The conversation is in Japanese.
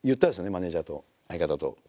マネージャーと相方と。